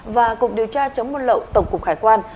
và cục điều tra chống buôn lậu tổng cục hải quan